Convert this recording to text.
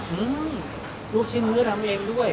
อืมลูกชิ้นเนื้อทำเองด้วย